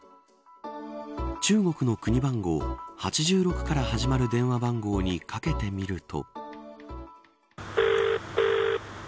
中国の国番号８６から始まる電話番号に掛けてみると。